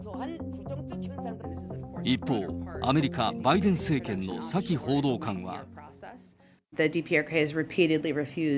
一方、アメリカ・バイデン政権のサキ報道官は。